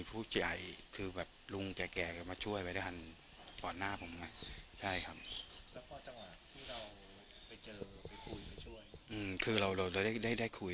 เพราะว่าใครร้องไห้ด้วย